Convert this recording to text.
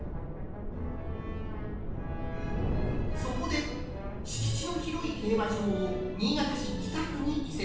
そこで敷地の広い競馬場を新潟市北区に移設。